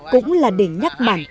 cũng là để nhắc bản thân có trách nhiệm